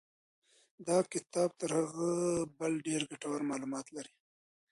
دا کتاب تر هغه بل ډېر ګټور معلومات لري.